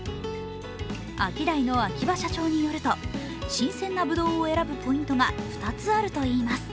アキダイの秋葉社長によると新鮮なぶどうを選ぶポイントが２つあるといいます。